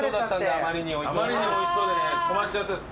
あまりにおいしそうでね止まっちゃって。